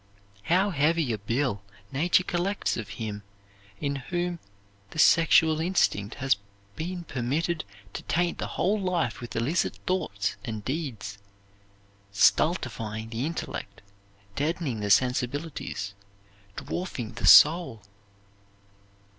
How heavy a bill Nature collects of him in whom the sexual instinct has been permitted to taint the whole life with illicit thoughts and deeds, stultifying the intellect, deadening the sensibilities, dwarfing the soul!